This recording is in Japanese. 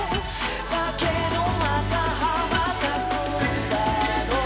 「だけどまた羽ばたくだろう」